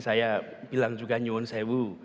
saya bilang juga nyun sewu